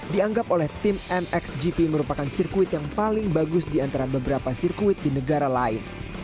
dianggap oleh tim mxgp merupakan sirkuit yang paling bagus di antara beberapa sirkuit di negara lain